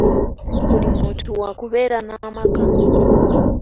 Buli muntu wa kubeera n’amaka.